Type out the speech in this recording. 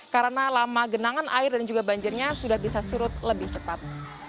karena lama genangan air dan juga banjirnya sudah bisa surut lebih cepat